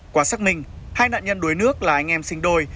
qua xác minh hai nạn nhân đuối nước là anh em sinh đôi